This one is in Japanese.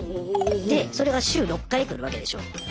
でそれが週６回来るわけでしょ。